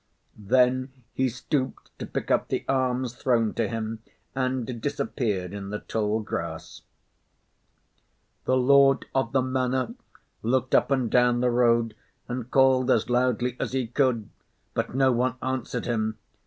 Then he stooped to pick up the alms thrown to him, and disappeared in the tall grass. The lord of the manor looked up and down the road and called as loudly as he could. But no one answered him!